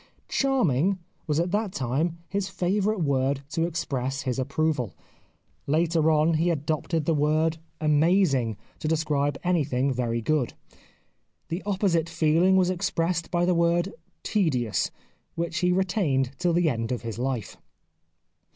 Charming " was at that time his favourite word to express his approval. Later on he 2IO The Life of Oscar Wilde adopted the word " amazing " to describe any thing very good. The opposite feehng was expressed by the word " tedious," which he retained till the end of his life.